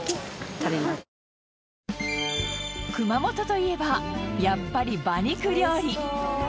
熊本といえばやっぱり馬肉料理。